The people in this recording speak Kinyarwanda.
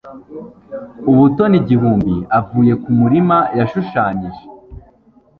Ubutoni igihumbi avuye kumurima yashushanyije